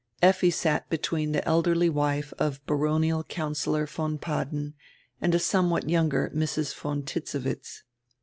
Effi sat between die elderly wife of baronial councillor von Padden and a somewhat younger Mrs. von Titzewitz.